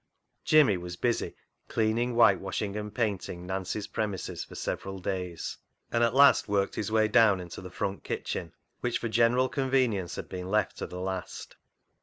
Jimmy was busy cleaning, whitewashing, and painting Nancy's premises for several days, and at last worked his way down into the front kitchen, which for general conven ience had been left to the last.